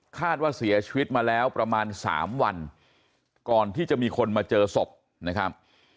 คาดว่าเสียชีวิตมาแล้วประมาณ๓วันก่อนที่จะมีคนมาเจอศพนะครับ